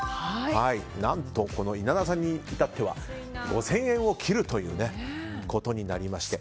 何と稲田さんに至っては５０００円を切るということになりました。